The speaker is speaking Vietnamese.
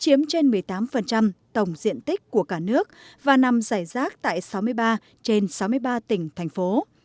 chiếm trên một mươi tám tổng diện tích của cả nước và nằm giải rác tại sáu mươi ba trên sáu mươi ba tỉnh thành phố